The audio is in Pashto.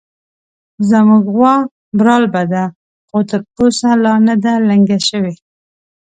زموږ غوا برالبه ده، خو تر اوسه لا نه ده لنګه شوې